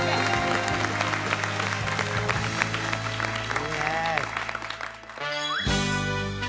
いいね。